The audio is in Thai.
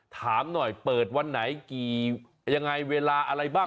ถามหน่อยเปิดวันไหนกี่ยังไงเวลาอะไรบ้าง